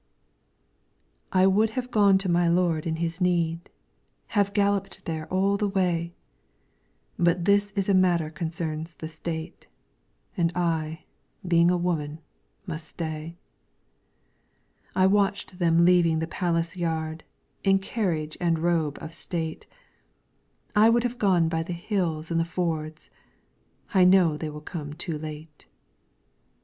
I WOULD have gone to my lord in his need, Have galloped there all the way, But this is a matter concerns the State, And I, being a woman, must stay. I watched them leaving the palace yard, In carriage and robe of state. I would have gone by the hills and the fords ; I know they will come too late.